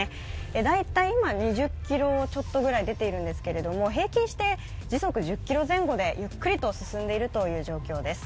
大体今、２０キロちょっと出ているんですけど平均して時速１０キロ前後でゆっくりと進んでいるという状況です。